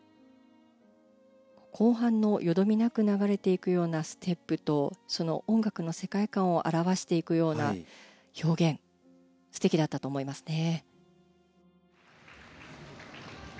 後半のよどみなく流れていくようなステップとその音楽の世界観を表していくような表現素敵だったと思いますね。